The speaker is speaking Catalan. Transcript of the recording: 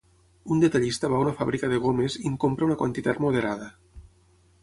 Un detallista va a una fàbrica de gomes, i en compra una quantitat moderada.